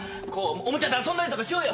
オモチャで遊んだりとかしようよ。